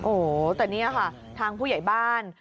โอ้โหแต่นี่ค่ะทางผู้ใหญ่บ้าน